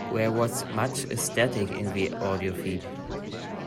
There was much static in the audio feed.